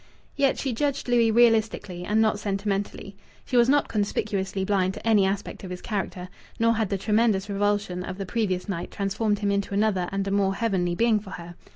Yet she judged Louis realistically and not sentimentally. She was not conspicuously blind to any aspect of his character; nor had the tremendous revulsion of the previous night transformed him into another and a more heavenly being for her.